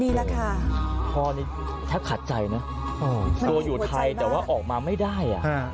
นี่แหละค่ะพ่อนี่แทบขาดใจนะตัวอยู่ไทยแต่ว่าออกมาไม่ได้